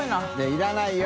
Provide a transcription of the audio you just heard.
いらないよ